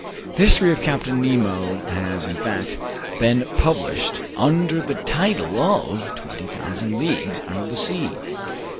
The history of Captain Nemo has, in fact, been published under the title of "Twenty Thousand Leagues Under the Sea."